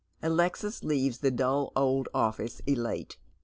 Alexis leaves the dull old office elate.